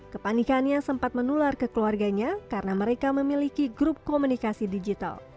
kepanikannya sempat menular ke keluarganya karena mereka memiliki grup komunikasi digital